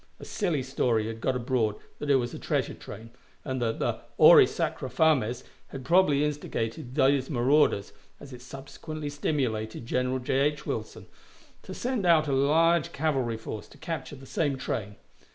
A silly story had got abroad that it was a treasure train, and the auri sacra fames had probably instigated these marauders, as it subsequently stimulated General J. H. Wilson, to send out a large cavalry force to capture the same train.